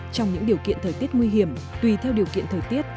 trong những điều kiện thời tiết nguy hiểm tùy theo điều kiện thời tiết